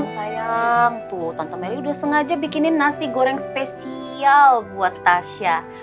sayang tuh tonto melly udah sengaja bikinin nasi goreng spesial buat tasya